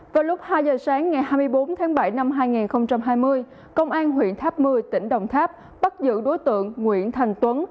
vào lúc hai giờ sáng ngày hai mươi bốn tháng bảy năm hai nghìn hai mươi công an huyện tháp một mươi tỉnh đồng tháp bắt giữ đối tượng nguyễn thành tuấn